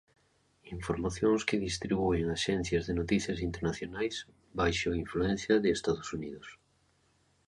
Informacións que distribúen axencias de noticias internacionais, baixo a influencia de Estados Unidos.